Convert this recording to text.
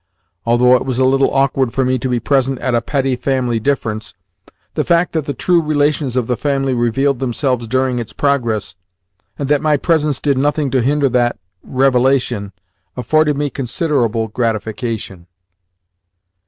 Although it was a little awkward for me to be present at a petty family difference, the fact that the true relations of the family revealed themselves during its progress, and that my presence did nothing to hinder that revelation, afforded me considerable gratification.